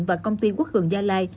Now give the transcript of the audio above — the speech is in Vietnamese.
và công ty quốc cường gia lai